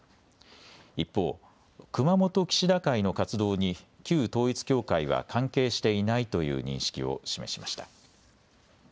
一方、熊本岸田会の活動に旧統一教会は関係していないという認識を示しました。